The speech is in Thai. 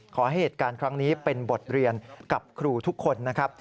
เหตุการณ์ครั้งนี้เป็นบทเรียนกับครูทุกคนนะครับ